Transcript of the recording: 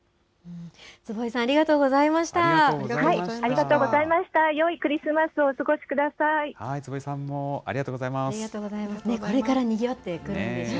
坪井さん、ありがとうございました。